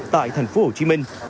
tại thành phố hồ chí minh